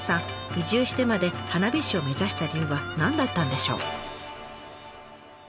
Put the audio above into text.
移住してまで花火師を目指した理由は何だったんでしょう？